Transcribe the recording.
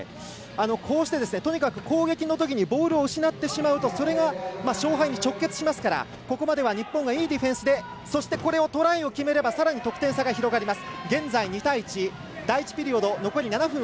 こうして、とにかく攻撃のときにボールを失ってしまうとそれが勝敗に直結しますからここまでは日本はいいディフェンスでトライを決めればさらに得点差が広がります。